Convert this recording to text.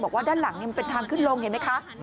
บอกว่าด้านหลังมันเป็นทางขึ้นลงเห็นไหมคะ